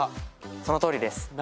そのとおりです。